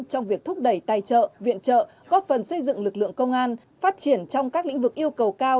trong việc thúc đẩy tài trợ viện trợ góp phần xây dựng lực lượng công an phát triển trong các lĩnh vực yêu cầu cao